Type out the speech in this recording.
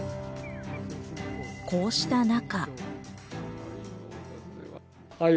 こうした中。